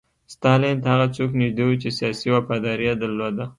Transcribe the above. ستالین ته هغه څوک نږدې وو چې سیاسي وفاداري یې درلوده